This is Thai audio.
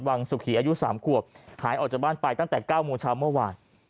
สุขีอายุ๓ขวบหายออกจากบ้านไปตั้งแต่๙โมงเช้าเมื่อวาน